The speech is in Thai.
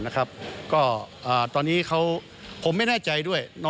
ก็ตอนนี้ผมไม่แน่ใจด้วย